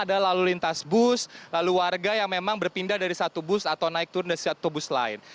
ada lalu lintas bus lalu warga yang memang berpindah dari satu bus atau naik turun dari satu bus lain